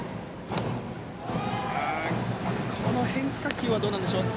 この変化球はどうなんでしょう。